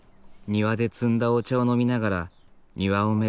庭で摘んだお茶を飲みながら庭をめでる。